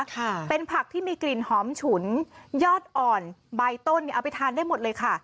ค่ะเป็นผักที่มีกลิ่นหอมฉุนยอดอ่อนใบต้นเนี่ยเอาไปทานได้หมดเลยค่ะ